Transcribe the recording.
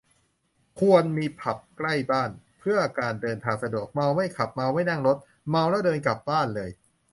ควรมีผับใกล้บ้าน เพื่อการเดินทางสะดวก เมาไม่ขับ เมาไม่นั่งรถ เมาแล้วเดินกลับบ้านเลย